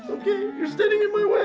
oke kamu tetap di jalananku